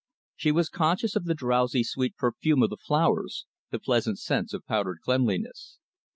She was conscious of the drowsy sweet perfume of the flowers, the pleasant sense of powdered cleanliness.